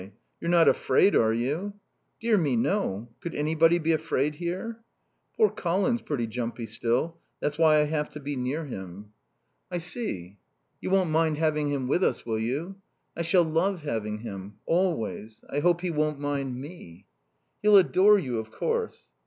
You're not afraid, are you?" "Dear me, no. Could anybody be afraid here?" "Poor Colin's pretty jumpy still. That's why I have to be near him." "I see." "You won't mind having him with us, will you?" "I shall love having him. Always. I hope he won't mind me." "He'll adore you, of course."